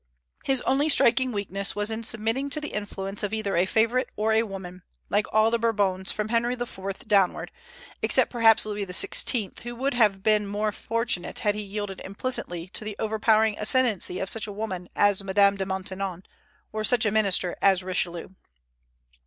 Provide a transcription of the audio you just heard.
His only striking weakness was in submitting to the influence of either a favorite or a woman, like all the Bourbons from Henry IV. downward, except perhaps Louis XVI., who would have been more fortunate had he yielded implicitly to the overpowering ascendency of such a woman as Madame de Maintenon, or such a minister as Richelieu.